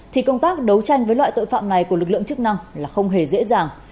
thì công tác đấu tranh với loại tội phạm này của lực lượng chức năng là không hề dễ dàng